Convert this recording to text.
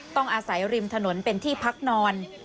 ต้องอาศัยริมถนนเป็นที่พักนอน